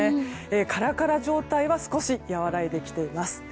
カラカラ状態は少し和らいできています。